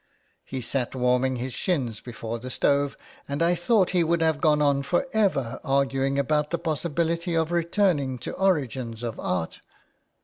He sat warming his shins before the stove, and I thought he would have gone on for ever arguing about the possibility of returning to origins of art.